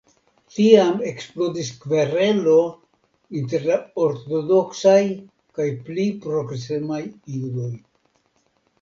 Tiam eksplodis kverelo inter la ortodoksaj kaj pli progresemaj judoj.